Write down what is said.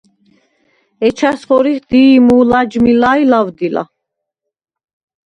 ეჩას ხორიხ: დი̄ჲმუ, ლაჯმილა ი ლავდილა.